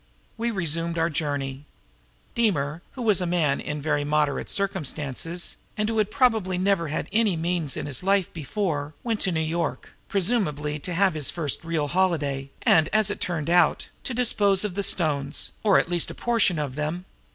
We resumed our journey; Deemer, who was a man in very moderate circumstances, and who had probably never had any means in his life before, went to New York, presumably to have his first real holiday, and, as it turned out, to dispose of the stones, or at least a portion of them.